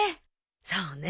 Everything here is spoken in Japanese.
そうね。